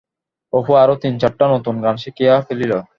অপু আরও তিন-চারটা নতুন গান শিখিয়া ফেলিল।